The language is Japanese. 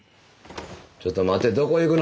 ちょっと待てどこ行くの。